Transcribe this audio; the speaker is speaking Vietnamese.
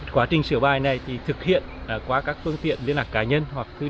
quá trình sửa bài này thì thực hiện qua các phương tiện liên lạc cá nhân hoặc